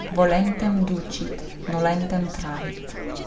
'Volentem ducit, nolentem trahit.